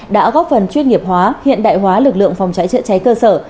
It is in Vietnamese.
đã góp phần chuyên nghiệp hóa hiện đại hóa lực lượng phòng cháy chữa cháy cơ sở